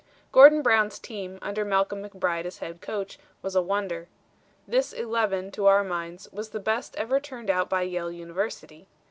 "Gordon Brown's team, under Malcolm McBride as head coach, was a wonder. This eleven, to our minds, was the best ever turned out by Yale University.